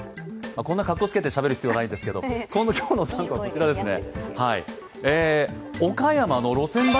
こんなかっこつけてしゃべる必要はないんですけど、この今日の３コマこちらですね。